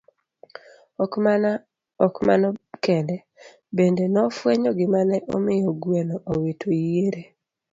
Ok mano kende, bende nofwenyo gima ne omiyo gweno owito yiere.